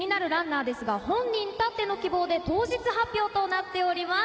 気になるランナーですが、本人たっての希望で当日発表となっております。